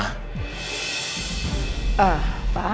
iya tapi ini urusannya beda pak